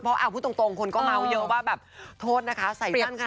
เพราะพูดตรงคนก็เม้าเยอะว่าแบบโทษนะคะใส่สั้นขนาดนี้แล้วแบบ